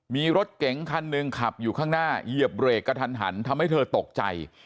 มีรถเก๋งคันหนึ่งขับอยู่ข้างหน้าเหยียบเบรกกระทันหันทำให้เธอตกใจ